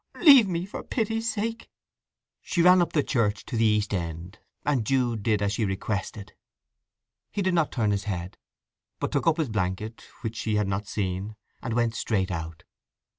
Leave me, for pity's sake!" She ran up the church to the east end, and Jude did as she requested. He did not turn his head, but took up his blanket, which she had not seen, and went straight out.